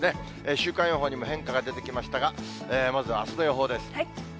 週間予報にも変化が出てきましたが、まずはあすの予報です。